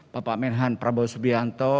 bapak menhan prabowo subianto